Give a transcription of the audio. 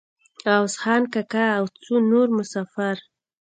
عوض خان کاکا او څو نور مسافر.